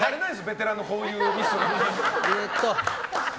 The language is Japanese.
ベテランのこういうミス。